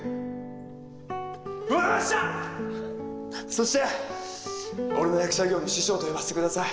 そして俺の役者業の師匠と呼ばせてください。